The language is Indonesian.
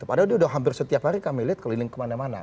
padahal dia sudah hampir setiap hari kami lihat keliling kemana mana